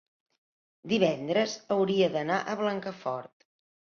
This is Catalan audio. divendres hauria d'anar a Blancafort.